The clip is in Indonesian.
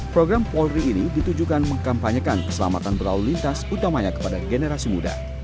program polri ini ditujukan mengkampanyekan keselamatan berlalu lintas utamanya kepada generasi muda